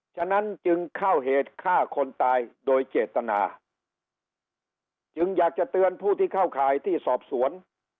ฉะนั้นจึงเข้าเหตุฆ่าคนตายโดยเจตนาจึงอยากจะเตือนผู้ที่เข้าข่ายที่สอบสวน